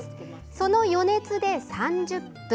その余熱で３０分。